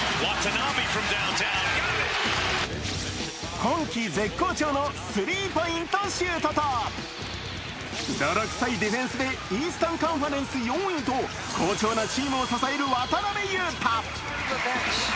今季絶好調のスリーポイントシュートと泥臭いディフェンスでイースタンカンファレンス４位と好調なチームを支える渡邊雄太。